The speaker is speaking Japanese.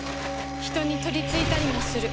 人に取り憑いたりもする。